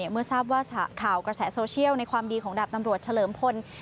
เมื่อทราบว่าข่าวกระแสโซเชียลในความดีของดาบตำรวจเฉลิมพล